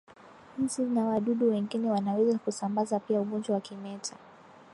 Nzi na wadudu wengine wanaweza kusambaza pia ugonjwa wa kimeta